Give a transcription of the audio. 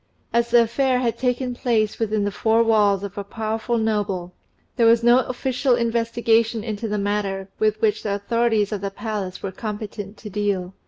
As the affair had taken place within the four walls of a powerful noble, there was no official investigation into the matter, with which the authorities of the palace were competent to deal.